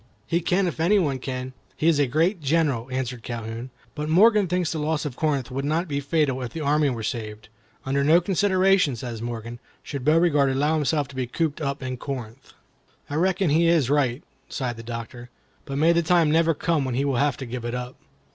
"He can if any one can. He is a great general," answered Calhoun. "But Morgan thinks the loss of Corinth would not be fatal if the army were saved. 'Under no consideration,' says Morgan, 'should Beauregard allow himself to be cooped up in Corinth.' " "I reckon he is right," sighed the Doctor; "but may the time never come when he will have to give it up."